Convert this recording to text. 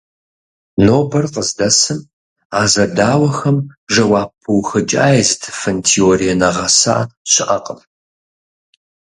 Нобэр къыздэсым а зэдауэхэм жэуап пыухыкӀа езытыфын теорие нэгъэса щыӀэкъым.